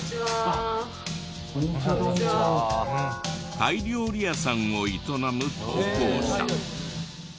タイ料理屋さんを営む投稿者。